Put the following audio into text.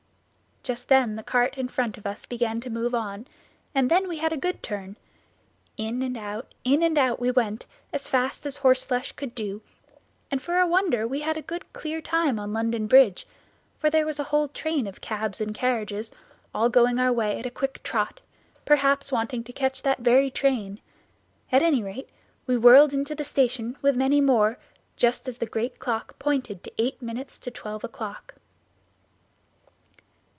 Just then the cart in front of us began to move on, and then we had a good turn. In and out, in and out we went, as fast as horseflesh could do it, and for a wonder had a good clear time on London Bridge, for there was a whole train of cabs and carriages all going our way at a quick trot, perhaps wanting to catch that very train. At any rate, we whirled into the station with many more, just as the great clock pointed to eight minutes to twelve o'clock.